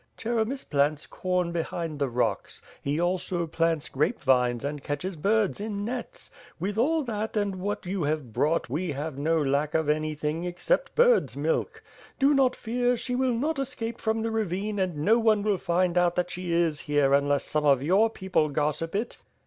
"Cheremis plants corn behind the rocks. He also plants grape vines and catches birds in nets. With all that and what you have brought we have no lack of anything except bird's milk. Do not fear, she will not escape from the ravine and no one will find out that she is here unless some of your people gossip it.